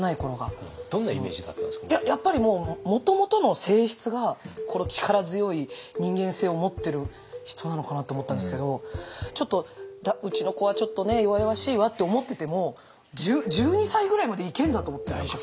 やっぱりもともとの性質がこの力強い人間性を持ってる人なのかなと思ったんですけどうちの子はちょっとね弱々しいわって思ってても１２歳ぐらいまでいけるんだと思って。